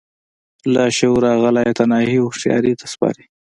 لاشعور هغه لايتناهي هوښياري ته سپاري.